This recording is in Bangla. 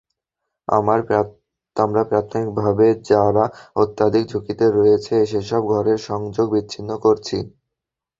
আমরা প্রাথমিকভাবে যারা অত্যধিক ঝুঁকিতে রয়েছে সেসব ঘরের সংযোগ বিচ্ছিন্ন করছি।